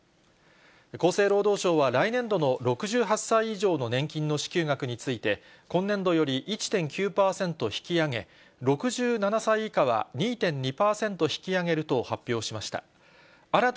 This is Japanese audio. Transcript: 厚生労働省は来年度の６８歳以上の年金の支給額について、今年度より１．９％引き上げ、６７歳以下は２．２％引き上げると発表しました。